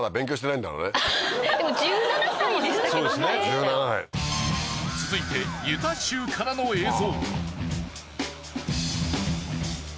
すごい！続いてユタ州からの映像。